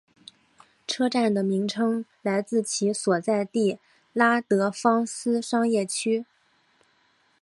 车站的名称来自其所在地拉德芳斯商业区。